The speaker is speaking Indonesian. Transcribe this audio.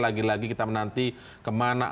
lagi lagi kita menanti kemana